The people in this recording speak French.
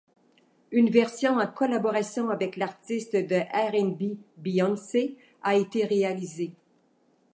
Une version en collaboration avec l'artiste de R&B Beyoncé a été réalisée.